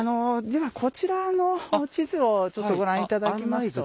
ではこちらの地図をちょっとご覧頂きますと。